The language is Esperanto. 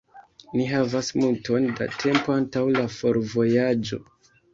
Ni havas multon da tempo antaŭ la forvojaĝo.